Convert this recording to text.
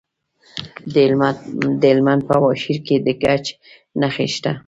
د هلمند په واشیر کې د ګچ نښې شته.